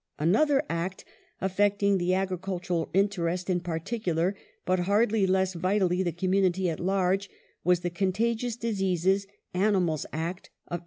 Another Act affecting the agricultural interest in particulai*, but hardly less vitally the community at large, was the Contagious Diseases {Animals) Act of 1878.